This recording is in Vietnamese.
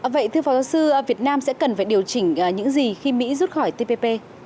vậy thưa phó giáo sư việt nam sẽ cần phải điều chỉnh những gì khi mỹ rút khỏi tpp